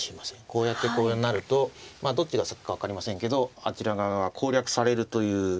こうやってこうなるとどっちが先か分かりませんけどあちら側が攻略されるという。